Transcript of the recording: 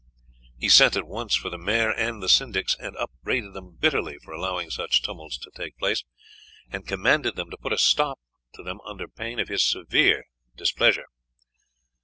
He sent at once for the Maire and syndics, and upbraided them bitterly for allowing such tumults to take place, and commanded them to put a stop to them under pain of his severe displeasure.